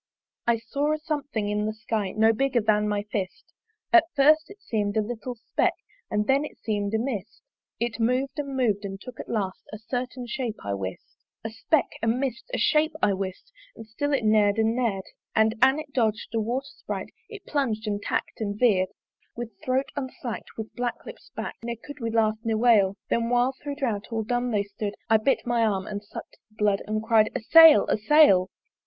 I saw a something in the Sky No bigger than my fist; At first it seem'd a little speck And then it seem'd a mist: It mov'd and mov'd, and took at last A certain shape, I wist. A speck, a mist, a shape, I wist! And still it ner'd and ner'd; And, an it dodg'd a water sprite, It plung'd and tack'd and veer'd. With throat unslack'd, with black lips bak'd Ne could we laugh, ne wail: Then while thro' drouth all dumb they stood I bit my arm and suck'd the blood And cry'd, A sail! a sail!